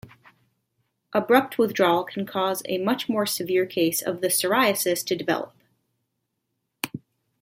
Abrupt withdrawal can cause a much more severe case of the psoriasis to develop.